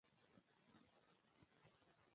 احمد سل افغانيو ته الاپی اچوي.